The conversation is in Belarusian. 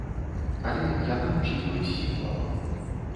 Але яна мусіць быць сімвалам.